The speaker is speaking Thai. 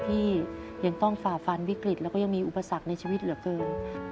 ที่ยังต้องฝ่าฟันวิกฤตแล้วก็ยังมีอุปสรรคในชีวิตเหลือเกิน